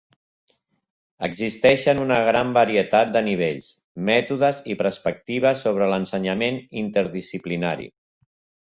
Existeixen una gran varietat de nivells, mètodes i perspectives sobre l'ensenyament interdisciplinari.